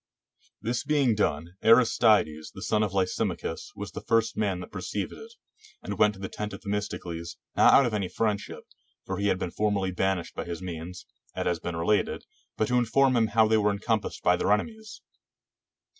This being done, Aristides, the son of Lysimachus, was the first man that perceived it, and went to the tent of Themistocles, not out of any friendship, for he had been formerly banished by his means, as has been related, but to inform him how they were encompassed by their enemies.